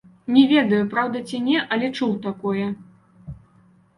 Не ведаю, праўда ці не, але чуў такое.